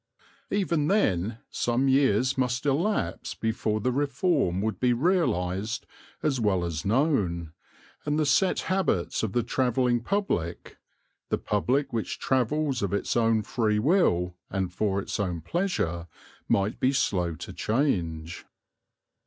Even then some years must elapse before the reform would be realized as well as known, and the set habits of the travelling public, the public which travels of its own free will and for its own pleasure, might be slow to change.